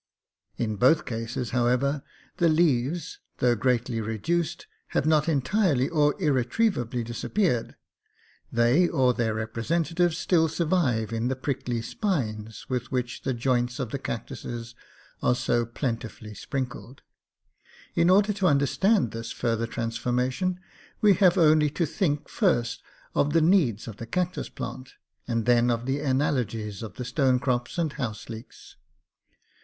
In both cases, however, the leaves, though greatly reduced, have not entirely or irretrievably disappeared. They, or their representatives, still survive in the prickly spines with which the joints of the cactus are so plentifully sprinkled. In order to understand this further transformation, we have only to think first of the needs of the cactus plant, and then of the analogies of the stone crops and house leeks.